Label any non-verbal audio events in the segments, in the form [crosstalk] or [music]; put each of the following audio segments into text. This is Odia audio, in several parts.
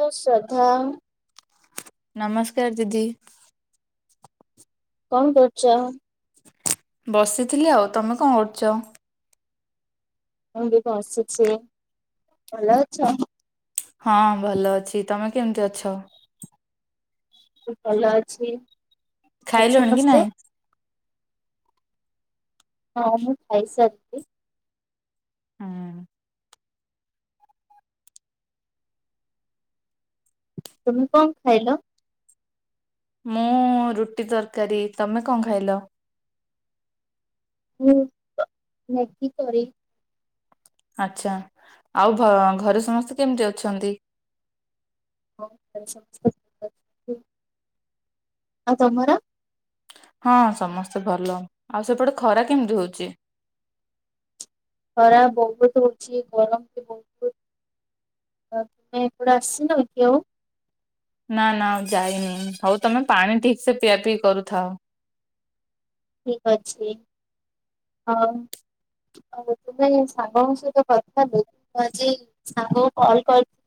ତୋ ଶ୍ରଦ୍ଧାମ୍ ନମସ୍କାର ଦିଦି। କଣ କରୁଚ? ବସିଥିଲି ଆଉ ତମେ କଣ କରୁଚ? ମୁଁ ବି ବସିଛି, ଭଲ ଅଛ। ହଁ, ଭଲ ଅଛି ତମେ କେମିତି ଅଛ।? ଭଲ ଅଛି ଆଉ ଖାଇଲଣି କି ସମସ୍ତେ। ନାଇଁ? ହଁ ମୁଁ ଖାଇସାରିଥିଲି। ହୁଁ। ତୁମେ କଣ ଖାଇଲ? ମୁଁ ରୁଟି ତରକାରୀ, ତମେ କଣ ଖାଇଲ? ହୁଁ, ଭେଣ୍ଡି କରି [unintelligible] ଆଚ୍ଛା ଆଉ ଘ--ଘରେ ସମସ୍ତେ କେମିତି ଅଛନ୍ତି। ହଁ, ଭୁଲ ଅଛନ୍ତି ସମସ୍ତେ ଭଲ ଅଛନ୍ତି ଆଉ ତମର [unintelligible] ହଁ, ସମସ୍ତେ ଭଲ ଆଉ ସେପଟେ ଖରା କେମିତି ହଉଛି। ଖରା ବହୁତ୍ ହଉଛି, ଗରମ ବି ବହୁତ୍ ଆଉ ତୁମେ ଏପଟେ ଆସିନ କି ଆଉ। [unintelligible] ନା ନା ଆଉ ଯାଇନି, ହଉ ତମେ ପାଣି ଠିକ ସେ ପିଆ ପିଇ କରୁଥାଅ। ଠିକ ଅଛି ହଉ। ଆଉ ତୁମେ ସାଙ୍ଗଙ୍କ ସହିତ କଥା ହେଲି। ଆଜି ସାଙ୍ଗ କୁ କଲ୍ କରି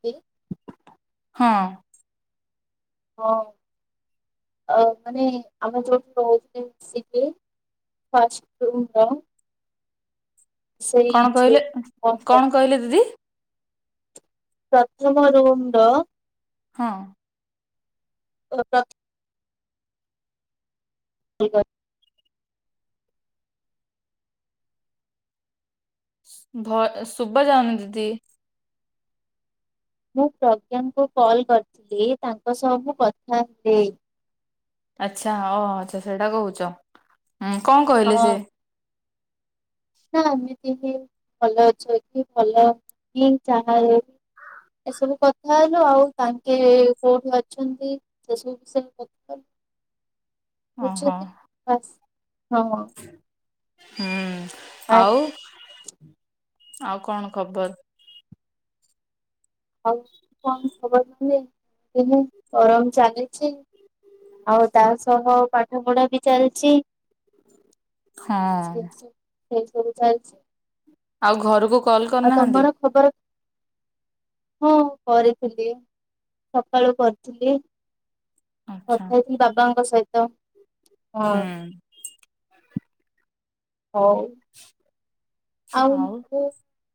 ହଁ ହଁ! ଆଉ ମାନେ ଆମେ ଯୋଉଠୁ ରହୁଥିଲେ ସେ କିଏ? ଫାଷ୍ଟ କୋଉଟା। କଣ ଯୋଉ କହିଲେ କଣ ଉ କର କଣ କହିଲେ ଦିଦି? ପ୍ରଥମ ରୁମ୍ ର ହଁ! [inaudible] ଠିକ୍ ଅଛି। ଭଲ ଶୁଭା ଯାଉନି ଦିଦି। ମୁଁ ପ୍ରଜ୍ଞାଙ୍କୁ କଲ୍ କରିଥିଲି। ତାଙ୍କ ସହ ମୁଁ କଥା ହେ ଆଚ୍ଛା ହଉ ହଉ ସେଇଟା କହୁଛ। ଉଁ କଣ କହିଲେ ହଁ ସେ ନା ଏମିତି ହିଁ ଭଲ ଅଛ କି ଭଲ ହିଁ ଯହ [unintelligible] ଏସବୁ କଥା ହେଲୁ। ଆଉ ତାଙ୍କେ କୋଉଠି ଅଛନ୍ତି, ସେ ସବୁ ବିଷୟରେ ପ ଓହୋ ହଁ [inaudible] ହୁଁ! ନାଇଁ, ଆଉ ଆଉ କଣ ଖବର? ଆଉ କଣ ଖବର କିଏ ହେଁ ଗରମ ଚାଲିଛି। ଆଉ ତା ସହ ପାଠ ପଢା ବି ଚାଲିଚି। ହଁ [unintelligible] ଚାଲିଛି ଆଉ ଘରକୁ କଲ୍ ଆଉ କରିନାହାନ୍ତି ତମର ଖବର ହଁ କରିଥିଲି। ସକାଳୁ କରିଥିଲି ଆଛା କଥା ହେଇଥିଲି ବାବାଙ୍କ ସହିତ। ହଁ ହୁଁ ହଉ [unintelligible] ଆଉ ମୁଁ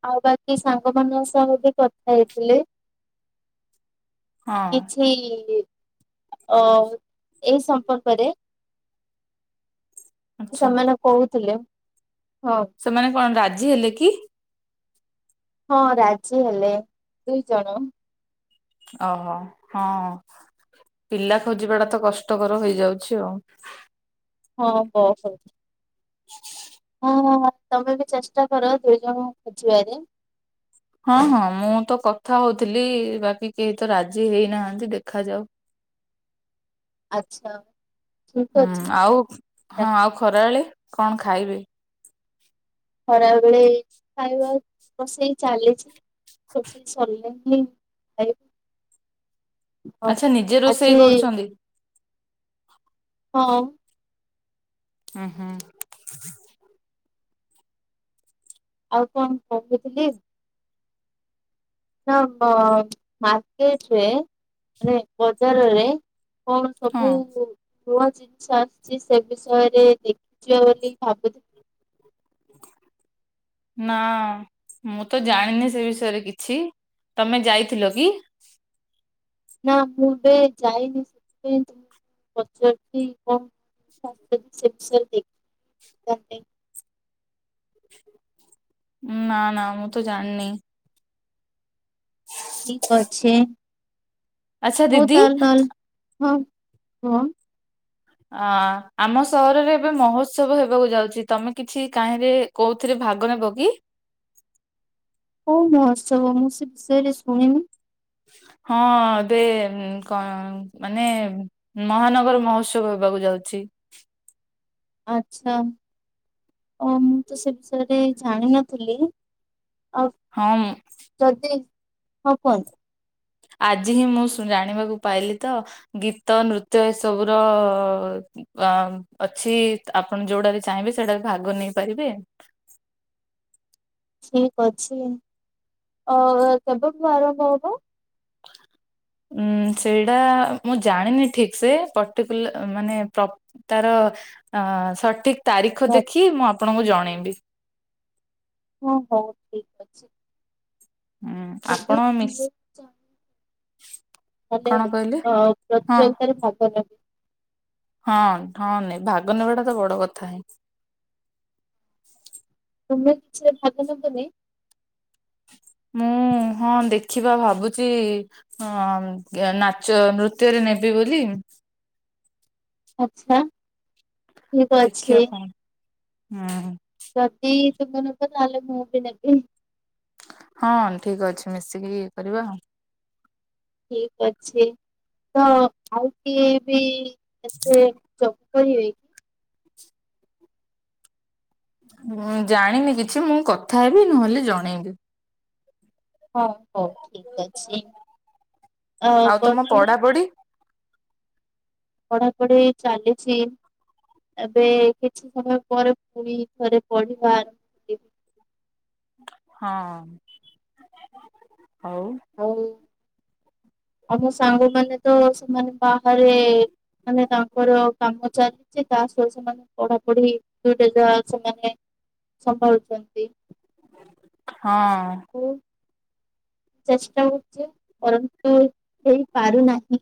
ଆଉ ବାକି ସାଙ୍ଗ ମାନଙ୍କ ସହ ବି କଥା ହେଇଥିଲେ। ହଁ କିଛି ଅ ଏଇ ସମ୍ପର୍କରେ! ଆଛା ସେମାନେ କହୁଥିଲେ ହଁ। ସେମାନେ କଣ ରାଜି ହେଲେ କି? ହଁ ରାଜି ହେଲେ, ଦୁଇ ଜଣ। ଓହୋ ହଁ ପିଲା ଖୋଜିବା ଟା ତ କଷ୍ଟକର ହେଇଯାଉଛି ଆଉ। ହଁ ହଉ ହଉ। [unintelligible] ହଁ ହଁ ହଁ ତମେ ବି ଚେଷ୍ଟା କର ଦୁଇ ଜଣ ଖୋଜିବାରେ। ହଁ ହଁ ମୁଁ ତ କଥା ହଉଥିଲି, ବାକି କେହି ତ ରାଜି ହେଇନାହାନ୍ତି। ଦେଖାଯାଉ ଆଚ୍ଛା ଠିକ ହୁଁ ଅଛି। ଆଉ ହଁ ଆଉ ଖରାବେଲେ କଣ ଖାଇବେ? ଖରାବେେଳେ ଖାଇବା ରୋଷେଇ ଚାଲିଛି। [inaudible] ଆଉ। ଆଚ୍ଛା ନିଜେ ଆଜି ରୋଷେଇ କରୁଛନ୍ତି। ହଁ। ଉ ହୁଁ। ଆଉ କଣ କହୁଥିଲି? ଅହ ମାର୍କେଟ ରେ ମାନେ ବଜାରରେ କଣ ସବୁ ହଁ ନୂଆ ଜିନିଷ ଆସିଛି ସେ ବିଷୟରେ ଦେଖିଛ ବୋଲି ଭାବୁ ନା ମୁଁ ତ ଜାଣିନି ସେ ବିଷୟରେ କିଛି ତମେ ଯାଇଥିଲ କି? ନା ମୁଁ ଏବେ ଯାଇନି ସେଥି [inaudible] ନା ନା ମୁଁ ତ ଜାଣିନି। ଠିକ ଅଛି ଆଚ୍ଛା ହଉ ଦିଦି ତାହେ [unintelligible] ଆ ଆମ ସହରରେ ଏବେ ମହୋତ୍ସବ ହେବାକୁ ଯାଉଛି ତମେ କିଛି କାହିଁରେ କୋଉଥିରେ ଭାଗ ନେବ କି? କଉ ମହୋତ୍ସବ ମୁଁ ସେ ବିଷୟରେ ଶୁଣିନି। ହଁ ଦେ କ ମାନେ ମହାନଗର ମହୋତ୍ସବ ହେବାକୁ ଯାଉଛି। ଆଚ୍ଛା ଓ ମୁଁ ତ ସେ ବିଷୟରେ ଜାଣିିନଥିଲି ଆଉ ହଁ। [unintelligible] ଆଜି ହିଁ ମୁଁ ଜାଣିବାକୁ ପାଇଲି ତ ଗୀତ ନୃତ୍ୟ ଏସବୁର ଅ ଅଛି ଆପଣ ଯୋଉଟାରେ ଚାହିଁବେ ସେଇଟା ଭାଗ ନେଇପାରିବେ। ଠିକ ଅଛି ଅ କେବେଠୁ ଆରମ୍ଭ ହବ? ଉଁ ସେଇଟା ମୁଁ ଜାଣିନି ଠିକ ସେ ପର୍ଟିକୁଲ ମାନେ ପ ତାର ସଠିକ ତାରିଖ ଦେଖି ମୁଁ ଆପଣଙ୍କୁ ଜଣେଇବି। ହଁ ହଉ ଠିକ ଅଛି। ହୁଁ ଯଦି ଆପଣ ମିଶ୍ ମୋତେ କଣ କହିଲେ? ଅ ହଁ ପ୍ରତିଯୋଗିତାରେ ଭାଗ ନ ହଁ ହଁ ନାଇଁ ଭାଗନେବାଟାତ ବଡ କଥା ହିଁ। ତୁମେ କିଛିରେ ଭାଗ ନେବନି? ମୁଁ ହଁ ଦେଖିବା ଭାବୁଛି ହଁ ନାଚ ନୃତ୍ୟରେ ନେବି ବୋଲି। ଆଚ୍ଛା। ଠିକ ଅଛି ଦେଖିବା କଣ ହୁଁ। ଯଦି ତୁମେ ନେବ ତାହେଲେ ମୁଁ ବି ନେବି। ହଁ ଠିକ ଅଛି ମିଶିକିରି କରିବା ଆଉ। ଠିକ ଅଛି ତ ଆଉ କିଏ ବି ଏଥିରେ ଯୋ କରିବେ ମୁଁ ଜାଣିନି କିଛି ମୁଁ କଥା ହେବି ନହେଲେ ଜଣେଇବି। ହଁ ହଉ ଠିକ ଅଛି ଅ ଆଉ ତମ ବର୍ତ୍ତମାନ୍ ପଢାପଢି ପଢାପଢି ଚାଲିଛି। ଏବେ କିଛି ସମୟ ପରେ ପୁଣି ଥରେ ପଢିବା କରିବି। ହଁ ହଉ। ହଉ ଆମ ସାଙ୍ଗମାନେ ତ ସେମାନେ ବାହାରେ ମାନେ ତାଙ୍କର କାମଚାଲି ଛି ତା ସହ ସେମାନେ ପଢାପଢି ଦୁଇଟା ଯା ସେମାନେ ସମ୍ଭାଳୁଛନ୍ତି। ହଁ। ଚେଷ୍ଟା କରୁଛି ପରନ୍ତୁ ହେଇପାରୁନାହିଁ।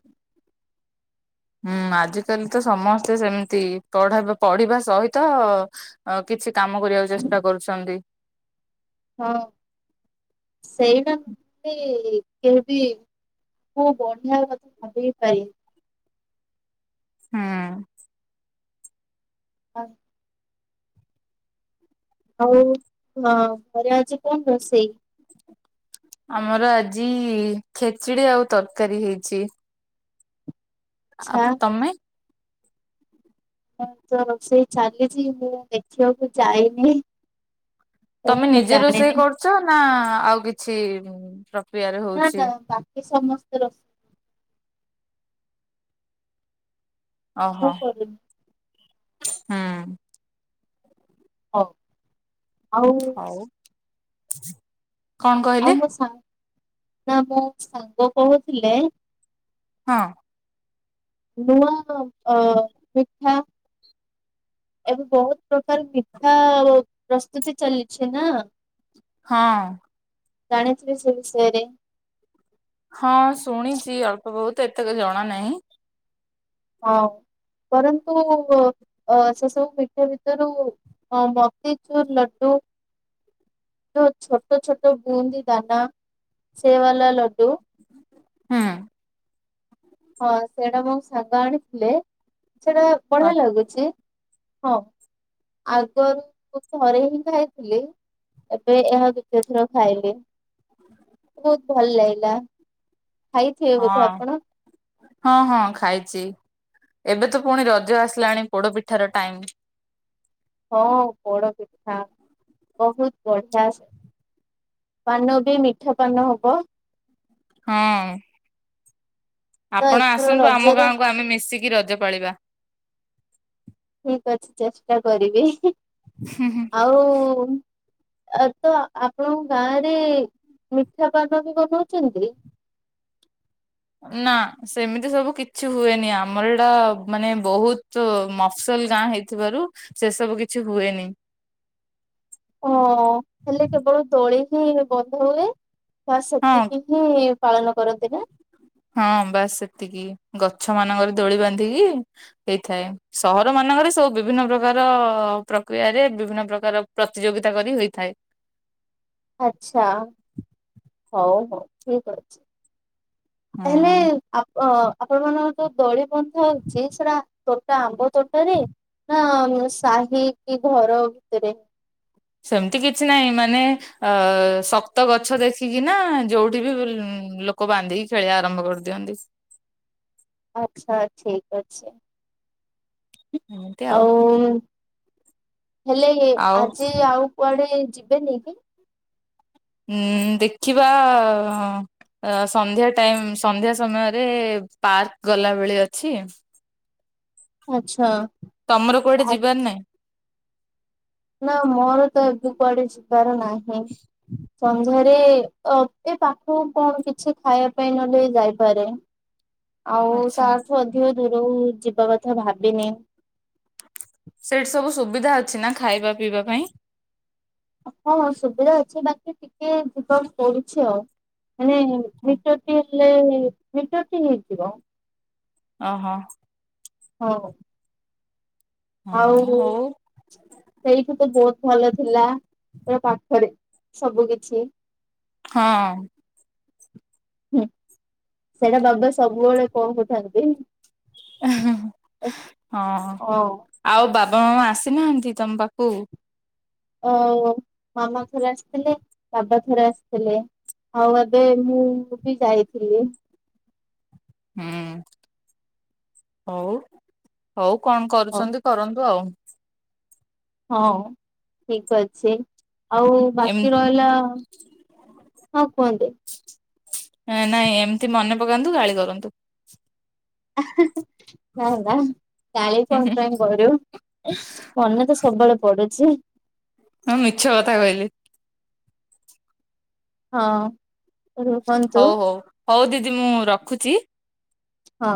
ହୁଁ ଆଜିକାଲି ତ ସମସ୍ତେ ସେମିତି ପଢା ପଢିବା ସହିତ ଅ କିଛି କାମ କରିବାକୁ ଚେଷ୍ଟା କରୁଛନ୍ତି। ହଁ ସେଇଟା ନହେଲେ କେହିବି ମୁଁ ବଢିଆ କଥା ଭାବିକି କହିବି। ହଁ। ହଉ। ଆଉ ହଁ ଘରେ ଆଜି କଣ ରୋଷେଇ? ଆମର ଆଜି ଖେଚୁଡି ଆଉ ତରକାରୀ ହେଇଛି। ଆଉ ଇଚ୍ଛା ତମେ? ହଁ ତ ରୋଷେଇ ଚାଲିଛି ମୁଁ ଦେଖିବାକୁ ଯାଇନି। ତ ତମେ ମୁଁ ନିଜେ ରୋଷେଇ ଜାଣିନି। କରୁଛ ନା ଆଉ କିଛି ପ୍ରକ୍ରିୟାରେ ନା ହଉଛି? ନା ବାକି ସମସ୍ତେ ରୋ ଓହୋ ମୁଁ କରୁନି ହୁଁ। ହଉ ଆଉ ହଉ। କଣ କହିଲେ ଆଉ ମୋ ସାଙ୍ଗ ନା ମୋ ସାଙ୍ଗ କହୁଥିଲେ ହଁ। ନୂଆ ଅ ପିଠା ଏବେ ବହୁତ ପ୍ରକାର ମିଠା ପ୍ରସ୍ତୁତି ଚାଲିଛି ନା। ହଁ। ଜାଣିଥିବେ ସେ ବିଷୟରେ ହଁ ଶୁଣିଛି ଅଳ୍ପ ବହୁତ ଏତେତ ଜଣା ନାହିଁ। ହଁ ପରନ୍ତୁ ସେ ସବୁ ମିଠା ଭିତରୁ ହଁ ମୋତିଚୁର ଲଡୁ ଛୋଟ ଛୋଟ ବୁନ୍ଦି ଦାନା ସେ ବାଲା ଲଡ଼ୁ। ହୁଁ। ହଁ ସେଇଟା ମୋ ସାଙ୍ଗ ଆଣିଥିଲେ ସେଟା ହଁ ବଢିଆ ଲାଗୁଛି ହଁ। ଆଗରୁ ମୁଁ ଥରେ ହିଁ ଖାଇଥିଲି। ଏବେ ଏହା ଦ୍ୱିତୀୟ ଥର ଖାଇଲି। ବହୁତ ଭଲ ଲାଗିଲା। ଖାଇଥିବେ ବୋଧେ ଆପଣ? ହଁ ହଁ ଖାଇଛି। ଏବେ ତ ପୁଣି ରଜ ଆସିଲାଣି ପୋଡ ପିଠାର ଟାଇମ। ହଁ ପୋଡ ପିଠା ବହୁତ ବଢିଆ ସେ। ପାନ ବି ମିଠା ପାନ ହବ। ହଁ। ତ ଆପଣ ଏଥର ଆସନ୍ତୁ ଆମ ରଜରେ ଗାଁକୁ ଆମେ ମିଶିକି ରଜ ପାଳିବା। ଠିକ ଅଛି ଚେଷ୍ଟା କରିବି। ହୁଁ ହୁଁ। ଆଉ ଏ ତ ଆପଣଙ୍କ ଗାଁରେ ମିଠା ପାନ ବି ବନଉଛନ୍ତି? ନା ସେମିତି ସବୁ କିଛି ହୁଏନି। ଆମର ଏଇଟା ମାନେ ବହୁତ ମଫସଲ ଗାଁ ହେଇ ଥିବାରୁ ସେ ସବୁ କିଛି ହୁଏନି। ଓଁ ହେଲେ କେବଳ ଦୋଳିହିଁ ବନ୍ଧ ହୁଏ ବାସ୍ ହଁ ସେତିକି ହିଁ ପାଳନ କରନ୍ତିନା। ହଁ ବାସ୍ ସେତିକି ଗଛ ମାନଙ୍କରେ ଦୋଳି ବାନ୍ଧିକି ହେଇଥାଏ ସହର ମାନଙ୍କରେ ସବୁ ବିଭିନ୍ନ ପ୍ରକାର ପ୍ରକ୍ରିୟାରେ ବିଭିନ୍ନ ପ୍ରକାର ପ୍ରତିଯୋଗିତା କରି ହୋଇଥାଏ। ଆଚ୍ଛା ହଉ ହଉ ଠିକ୍ ଅଛି ହେଲେ ହୁଁ ଆପ ଆପଣ ମାନଙ୍କ ଯୋଉ ଦଳି ବନ୍ଥା ହଉଚି ସେଟା ତୋଟା ଆମ୍ବ ତୋଟାରେ ନା ନା ସାହି କି ଘର ଭିତରେ? ସେମିତି କିଛି ନାହିଁ ମାନେ ଅ ଶକ୍ତ ଗଛ ଦେଖିକିନା ଯୋଉଠିବି ଲୋ ଲୋକ ବାନ୍ଧିକି ଖେଳିବା ଆରମ୍ଭ କରିଦିଅନ୍ତି। ଆଚ୍ଛା ଠିକ୍ ଅଛି। ଆଉ ହେଲେ ଆଉ ଆଜି ଆଉ କୁଆଡ଼େ ଯିବେନିକି? ଉଁ ଦେଖିବା ଅ ସନ୍ଧ୍ୟା ଟାଇମ୍ ସନ୍ଧ୍ୟା ସମୟରେ ପାର୍କ ଗଲା ବେଳେ ଅଛି। ଆଚ୍ଛା। ତମର କୁଆଡ଼େ ଯିବାର ନାଇଁ? ନା ମୋରତ ଏବେ କୁଆଡ଼େ ଯିବାର ନାହିଁ ସନ୍ଧ୍ୟା ରେ ଅତି ପାଖକୁ କଣ କିଛି ଖାଇବା ପାଇଁ ନହେଲେ ଯାଇପାରେ। ଆଉ ଆଚ୍ଛା ତାଠୁ ଅଧିକ ଦୂରକୁ ଯିବା କଥା ଭାବିନି। ସେଇଠି ସବୁ ସୁବିଧା ଅଛିନା ଖାଇବା ପିଇବା ପାଇଁ? ହଁ ସୁବିଧା ଅଛି ବାକି ଟିକେ ଯିବା ପଡ଼ୁଛି ଆଉ। ମାନେ ମିଟରଟି ହେଲେ ମିଟରଟି ହେଇଯିବ। ଓହୋ। ହଉ। ଆଉ ହଁ ସେଇଠୁତ ବହୁତ୍ ଭଲ ଥିଲା ଏବେ ପାଖରେ ସବୁ କିଛି ହଁ। ହୁଁ ସେଟା ବାବା ସବୁବେଳେ କହୁଥାନ୍ତି। ହଁ। ଆଉ ବାବା ମାମା ଆସିନାହାନ୍ତି ତମ ପାଖକୁ? ଓ ମାମା ଥରେ ଆସିଥିଲେ ବାବା ଥରେ ଆସିଥିଲେ। ଆଉ ବୋଧେ ମୁଁବି ଯାଇଥିଲି। ହୁଁ ହଉ ହଉ କଣ ହଁ କରୁଛନ୍ତି କରନ୍ତୁ ଆଉ। ହଁ ଠିକ୍ ଅଛି ଆଉ ଏମ ବାକି ରହିଲା ହଁ କୁହନ୍ତୁ। ଅଁ ନାଇଁ ଏମିତି ମନେ ପକାନ୍ତୁ ଗାଳି କରନ୍ତୁ। ଆହା ହା ନାଁ ନାଁ ଗାଳି ହୁଁ କଣ ହୁଁ ପାଇଁ କରିବୁ। ମନେତ ସବୁବେଳେ ପଡ଼ୁଚି। ହଁ ମିଛ କଥା କହିଲେ। ହଁ। ରୁହନ୍ତୁ ହଉ ହଉ ହଉ ଦିଦି ମୁଁ ରଖୁଚି। ହଁ।